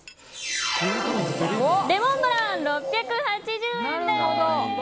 レモンブラン、６８０円です。